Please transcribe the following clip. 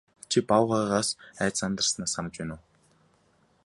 Чи баавгайгаас айж сандарснаа санаж байна уу?